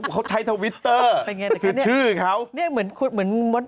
เขาใช้ทวิตเตอร์คือชื่อเขา